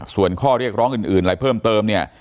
ส่วนข้อเรียกร้องอื่นอะไรเพิ่มเติมเนี่ย